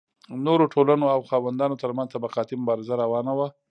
نورو ټولنو او خاوندانو ترمنځ طبقاتي مبارزه روانه وه.